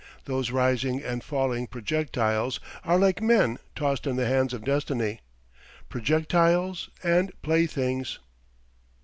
Those rising and falling projectiles are like men tossed in the hands of Destiny projectiles and playthings.